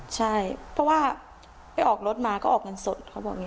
ใช่เพราะว่าไปออกรถมาก็ออกเงินสดเขาบอกอย่างนี้